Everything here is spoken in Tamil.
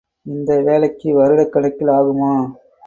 இந்த வேலைக்கு வருடக் கணக்கில் ஆகுமா?